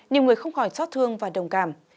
nhiều người không khỏi xót thương và đồng cảm